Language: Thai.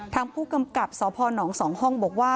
ทางผู้กำกับสพน๒ห้องบอกว่า